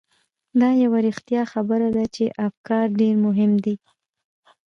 دا یوه رښتیا خبره ده چې افکار ډېر مهم دي.